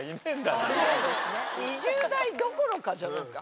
「２０代どころか」じゃないですか？